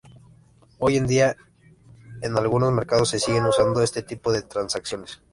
Hoy en día, en algunos mercados se siguen usando este tipo de transacciones.